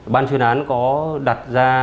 ban chuyên án có đặt ra